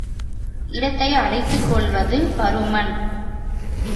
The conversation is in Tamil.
இடத்தை அடைத்துக் கொள்வது பருமன்.